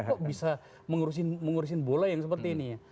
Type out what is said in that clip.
kok bisa mengurusin bola yang seperti ini ya